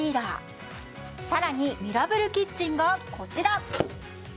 さらにミラブルキッチンがこちら。